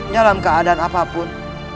dalam keadaan apapun